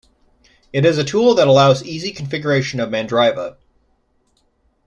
It is a tool that allows easy configuration of Mandriva.